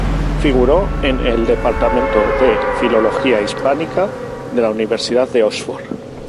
Figuró en el departamento de Filología Hispánica de la Universidad de Oxford.